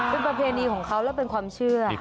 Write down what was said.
เป็นประเพณีของเขาและเป็นความเชื่อ